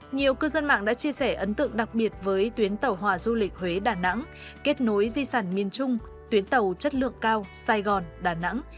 nhiều cư dân mạng đã chia sẻ ấn tượng đặc biệt với tuyến tàu hòa du lịch huế đà nẵng kết nối di sản miền trung tuyến tàu chất lượng cao sài gòn đà nẵng